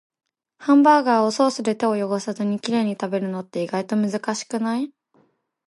ハンバーガーをソースで手を汚さずにきれいに食べるのって、意外と難しくない？